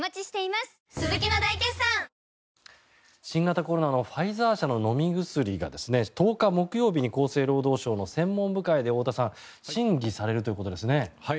新型コロナのファイザー社の飲み薬が１０日木曜日に厚生労働省の専門部会で太田さん審議されるということですね。